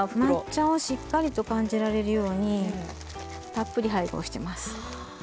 抹茶をしっかりと感じられるようにたっぷり配合してます。